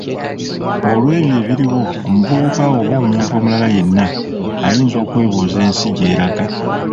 Olwebyo ebiriwo omuvubuka oba omuntu omulala yenna ayinza okwebuuza ensi gyeraga.